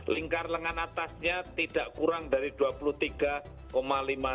lingkar lengan atasnya tidak kurang dari dua puluh tiga lima juta